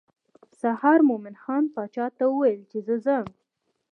سهار مومن خان باچا ته وویل چې زه ځم.